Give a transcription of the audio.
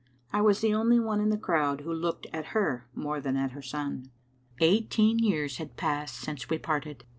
I was the only one in the crowd who looked at her more than at her son. Eighteen years had passed since we parted.